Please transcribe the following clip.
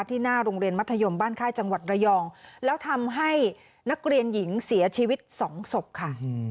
หน้าโรงเรียนมัธยมบ้านค่ายจังหวัดระยองแล้วทำให้นักเรียนหญิงเสียชีวิตสองศพค่ะ